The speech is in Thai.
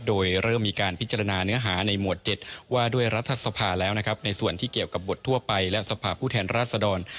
โดยเริ่มมีการพิจารณาเนื้อหาในหมวด๗ว่าด้วยรัฐสภาแล้วนะครับในส่วนที่เกี่ยวกับบททั่วไปและสภาพผู้แทนราชดร